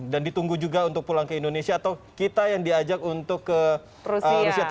dan ditunggu juga untuk pulang ke indonesia atau kita yang diajak untuk ke rusia